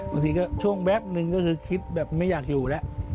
บางทีก็ช่วงแป๊บนึงก็คือคิดแบบไม่อยากอยู่แล้ว